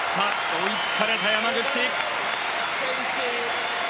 追いつかれた、山口。